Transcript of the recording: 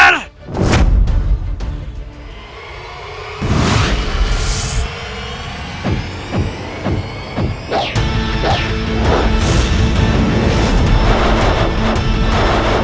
jangan coba coba kau menyentuhnya